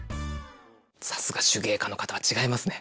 さすが手芸家の方は違いますね。